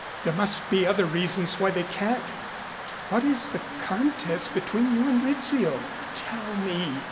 There must be other reasons why they can't. What is the contest between you and Rizzio? Tell me.